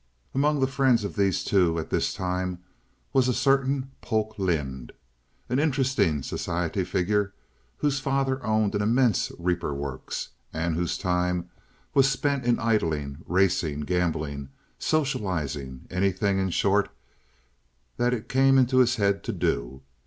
Among the friends of these two at this time was a certain Polk Lynde, an interesting society figure, whose father owned an immense reaper works, and whose time was spent in idling, racing, gambling, socializing—anything, in short, that it came into his head to do.